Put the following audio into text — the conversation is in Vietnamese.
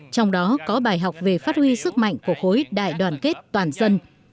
trong đó có bài học về phát huy sức mạnh của khối đại đoàn kết toàn dân